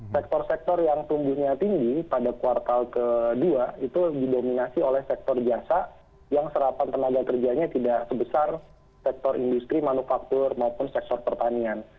sektor sektor yang tumbuhnya tinggi pada kuartal ke dua itu didominasi oleh sektor jasa yang serapan tenaga kerjanya tidak sebesar sektor industri manufaktur maupun sektor pertanian